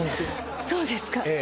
そうですか。